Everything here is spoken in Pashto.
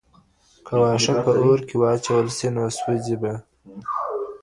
که واښه په اور کي واچول سي نو سوځي به.